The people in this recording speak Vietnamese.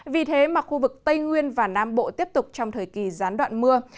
vì thế mà khu vực tây nguyên và nam bộ tiếp tục trong thời kỳ gián đoạn mưa